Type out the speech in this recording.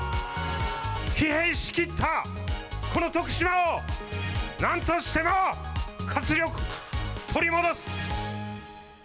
疲弊しきった、この徳島を、なんとしても活力を取り戻す。